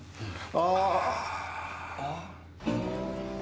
ああ。